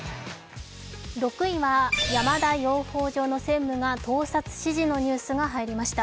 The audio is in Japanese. ６位は山田養蜂場の専務が盗撮指示のニュースが入りました。